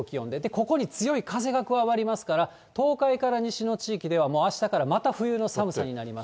ここに強い風が加わりますから、東海から西の地域ではもうあしたからまた冬の寒さになります。